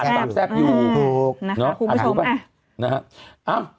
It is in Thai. คุณผู้ชมอะ